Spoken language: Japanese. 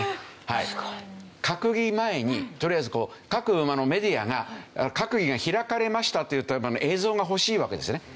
閣議前にとりあえずこう各メディアが閣議が開かれましたというと映像が欲しいわけですね。